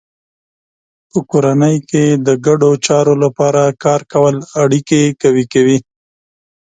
په کورنۍ کې د ګډو چارو لپاره کار کول اړیکې قوي کوي.